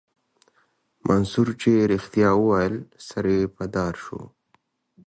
منصور چې رښتيا ويل سر يې په دار سو.